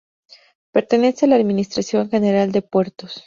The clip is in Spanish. Pertenece a la Administración General de Puertos.